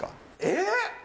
えっ？